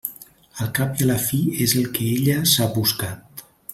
Al cap i a la fi és el que ella s'ha buscat.